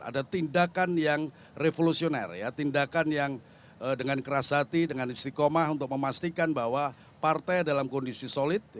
ada tindakan yang revolusioner tindakan yang dengan keras hati dengan istiqomah untuk memastikan bahwa partai dalam kondisi solid